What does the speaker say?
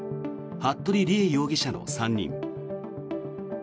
服部理江容疑者の３人。